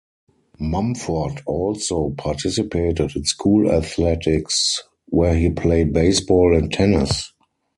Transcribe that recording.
Mumford also participated in school athletics where he played baseball and tennis.